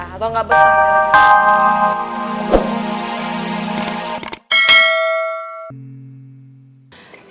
atau enggak bener